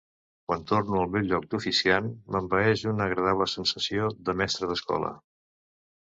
Quan torno al meu lloc d'oficiant m'envaeix una agradable sensació de mestre d'escola.